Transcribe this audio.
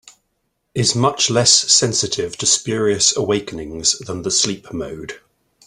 Is much less sensitive to spurious awakenings than the sleep mode.